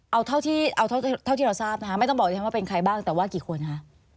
เอาเท่าที่เราทราบนะคะไม่ต้องบอกดิฉันว่าเป็นใครบ้างแต่ว่ากี่คนคะ